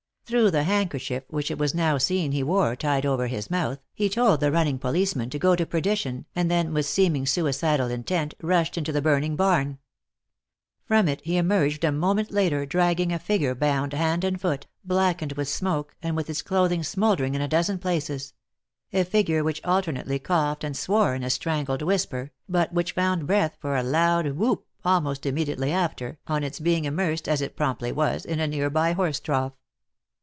Through the handkerchief which it was now seen he wore tied over his mouth, he told the running policeman to go to perdition, and then with seeming suicidal intent rushed into the burning barn. From it he emerged a moment later, dragging a figure bound hand and foot, blackened with smoke, and with its clothing smoldering in a dozen places; a figure which alternately coughed and swore in a strangled whisper, but which found breath for a loud whoop almost immediately after, on its being immersed, as it promptly was, in a nearby horse trough.